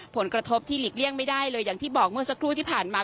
ผลกระทบที่หลีกเลี่ยงไม่ได้เลยอย่างที่บอกเมื่อสักครู่ที่ผ่านมา